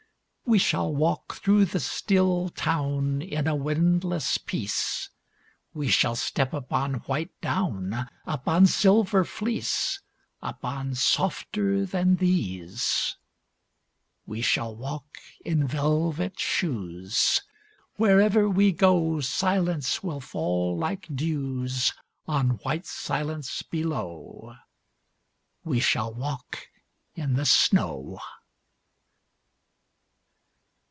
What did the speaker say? We shall walk through the still town In a windless peace; We shall step upon white down, Upon silver fleece, Upon softer than these. We shall walk in velvet shoes: Wherever we go Silence will fall like dews On white silence below. We shall walk in the snow.